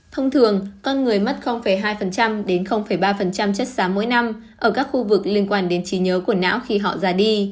thông thường con người mất hai đến ba chất xám mỗi năm ở các khu vực liên quan đến trí nhớ của não khi họ già đi